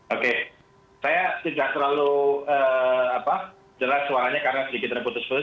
oke saya tidak terlalu jelas suaranya karena sedikit terputus putus